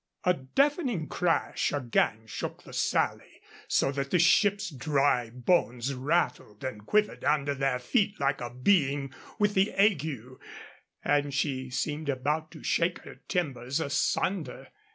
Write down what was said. A deafening crash again shook the Sally, so that the ship's dry bones rattled and quivered under their feet like a being with the ague, and she seemed about to shake her timbers asunder.